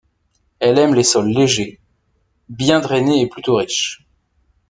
Elle aime les sols légers, bien drainés et plutôt riches.